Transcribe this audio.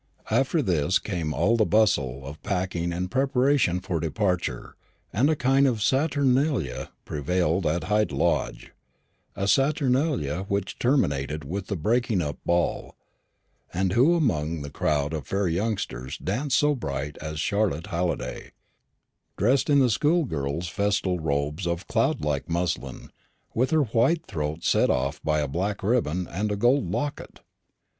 After this there came all the bustle of packing and preparation for departure, and a kind of saturnalia prevailed at Hyde Lodge a saturnalia which terminated with the breaking up ball: and who among the crowd of fair young dancers so bright as Charlotte Halliday, dressed in the schoolgirl's festal robes of cloud like muslin, and with her white throat set off by a black ribbon and a gold locket?